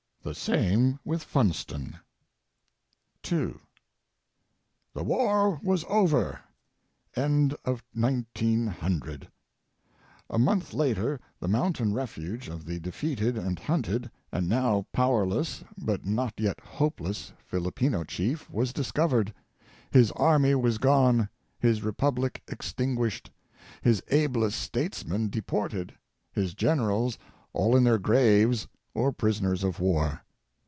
The same with Funston. II. "The war was over" — end of 1900. A month later the mountain refuge of the defeated and hunted, and now powerless A DEFENCE OF GENERAL FUNSTON. 617 but not yet hopeless, Filipino chief was discovered. His army was gone, his Republic extinguished, his ablest statesman deported, his generals all in their graves or prisoners of war.